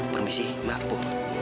permisi maaf bu